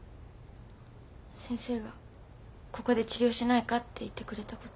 先生がここで治療しないかって言ってくれたこと。